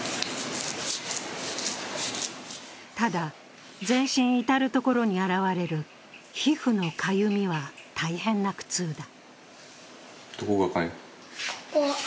ただ、全身至る所に現れる皮膚のかゆみは大変な苦痛だ。